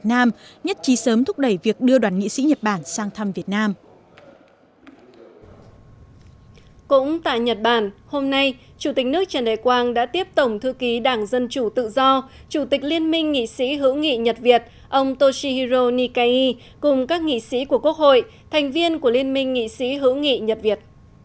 trần đại quang đã tiếp tổng thư ký đảng dân chủ tự do chủ tịch liên minh nghị sĩ hữu nghị nhật việt ông toshihiro nikai cùng các nghị sĩ của quốc hội thành viên của liên minh nghị sĩ hữu nghị nhật việt